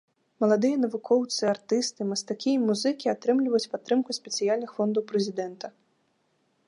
Маладыя навукоўцы, артысты, мастакі і музыкі атрымліваюць падтрымку спецыяльных фондаў прэзідэнта.